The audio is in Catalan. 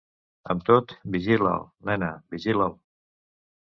Amb tot, vigila’l, nena, vigila’l.